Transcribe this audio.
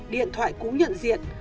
điện thoại cũ nhận diện